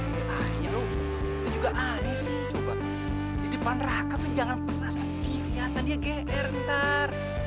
ya akhirnya loh itu juga aneh sih coba di depan raka tuh jangan pernah sendiri liatan dia geber ntar